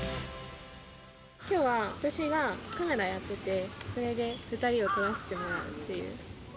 きょうは、私がカメラやってて、それで２人を撮らせてもらうっていう。